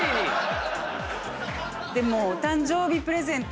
でもお誕生日プレゼント